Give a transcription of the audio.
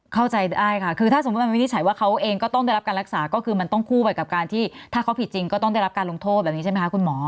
เข้าใจได้ค่ะคือถ้าสมมุติมันวินิจฉัยว่าเขาเองก็ต้องได้รับการรักษาก็คือมันต้องคู่ไปกับการที่ถ้าเขาผิดจริงก็ต้องได้รับการลงโทษแบบนี้ใช่ไหมคะคุณหมอ